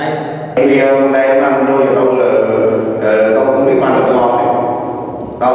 gần đây nhất vào ngày ba mươi tháng chín